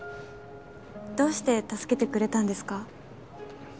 どうして助けてくれたんですか？